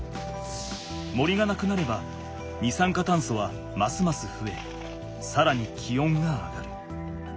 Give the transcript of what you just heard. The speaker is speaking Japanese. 森がなくなれば二酸化炭素はますますふえさらに気温が上がる。